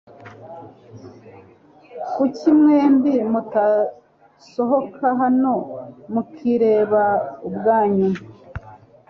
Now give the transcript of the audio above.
Kuki mwembi mutasohoka hano mukireba ubwanyu?